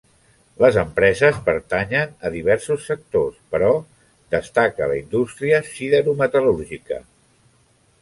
Les empreses pertanyen a diversos sectors, però destaca la indústria siderometal·lúrgica.